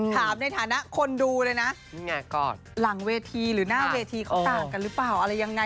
ถามในฐานะคนดูเลยนะหลังเวทีหรือหน้าเวทีเขาต่างกันหรือเปล่าอะไรยังไง